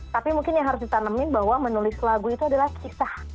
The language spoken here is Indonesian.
tapi mungkin yang harus ditanemin bahwa menulis lagu itu adalah kisah